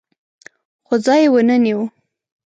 خو ځای یې ونه نیو